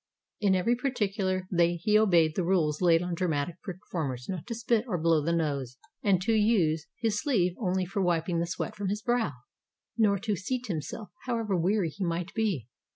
In every particular he obeyed the rules laid on dramatic per formers, not to spit, or blow the nose, and to use his 437 ROME sleeve only for wiping the sweat from his brow, nor to seat himself, however weary he might be.